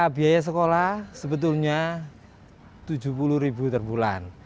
biaya sekolah sebetulnya rp tujuh puluh terbulan